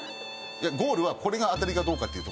ゴールはこれがあたりかどうかっていうとこなので。